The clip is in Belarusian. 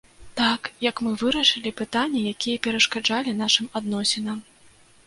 Так, як мы вырашылі пытанні, якія перашкаджалі нашым адносінам.